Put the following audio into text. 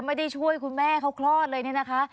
ไม่ได้ช่วยคุณแม่เขาคลอดเลยเนี่ยนะคะ